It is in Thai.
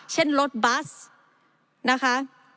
เช่นรถบัสนะคะ